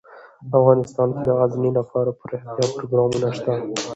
افغانستان کې د غزني لپاره دپرمختیا پروګرامونه شته.